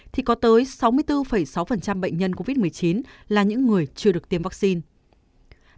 thì có tới sáu mươi bốn sáu bệnh nhân covid một mươi chín là những người chưa được tiêm vaccine